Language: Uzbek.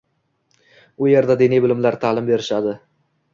U yerda diniy bilimlar taʼlim berilardi.